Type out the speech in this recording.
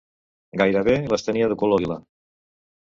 Gairebé les tenia de color lila.